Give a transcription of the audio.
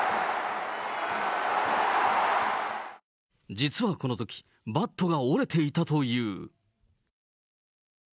実はこの時、バットが折れていたという。